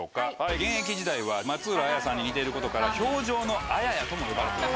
現役時代は松浦亜弥さんに似ていることから「氷上のあやや」とも呼ばれて。